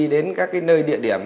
đến các cái nơi địa điểm